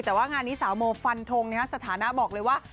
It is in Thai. แต่ว่างานนี้สาวโมฟันทงสถานะบอกเลยว่า